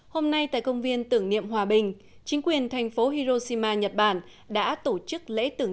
hôm nay tại công viên tưởng niệm hòa bình chính quyền tp hiro shima nhật bản đã tổ chức lễ tưởng